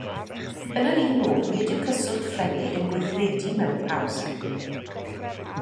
Yn yr un modd, nid yw cyswllt Ffrengig yn gweithredu mewn pausa.